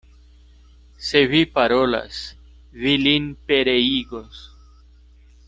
Se vi parolas, vi lin pereigos.